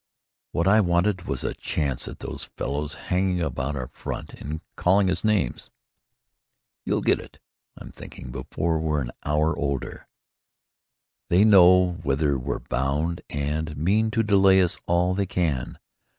"What I wanted was a chance at those fellows hanging about our front and calling us names." "You'll get it, I'm thinking, before we're an hour older. They know whither we're bound and mean to delay us all they can.